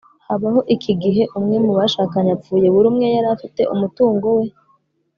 habaho iki igihe umwe mu bashakanye apfuye, buri umwe yarafite umutungo we?